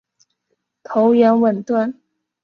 头圆吻钝。